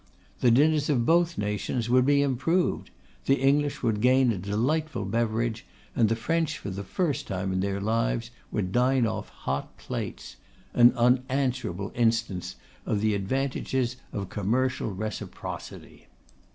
The dinners of both nations would be improved: the English would gain a delightful beverage, and the French, for the first time in their lives, would dine off hot plates. An unanswerable instance of the advantages of commercial reciprocity.